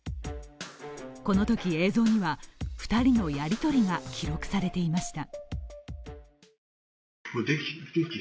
このとき映像には２人のやり取りが記録されていました。